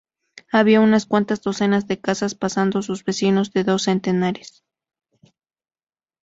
Había unas cuantas docenas de casas, pasando sus vecinos de dos centenares.